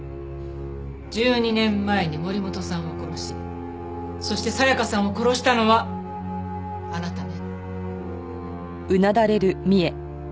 １２年前に森本さんを殺しそして紗香さんを殺したのはあなたね？